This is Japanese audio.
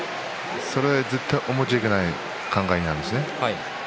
それは絶対思っちゃいけない考えなんですね。